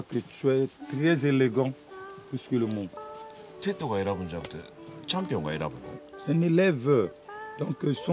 テッドが選ぶんじゃなくてチャンピオンが選ぶの？